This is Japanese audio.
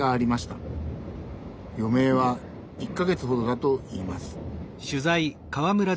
余命は１か月ほどだといいます。